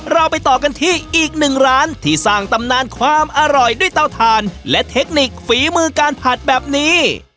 เราไปต่อกันที่อีกหนึ่งร้านที่สร้างตำนานความอร่อยด้วยเตาถ่านและเทคนิคฝีมือการผัดแบบนี้